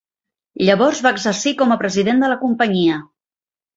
Llavors va exercir com a president de la companyia.